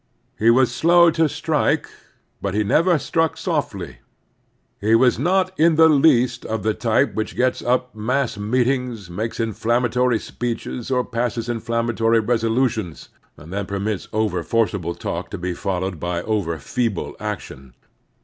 He was slow to strike, but he never struck softly. He was not in the least of the type which gets up mass meetings, makes inflanmiatory speeches or passes inflammatory resolutions, and then permits over forcible talk to be followed by over feeble action.